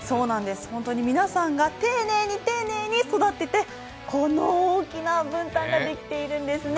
本当に皆さんが丁寧に丁寧に育てて、この大きな文旦ができているんですね。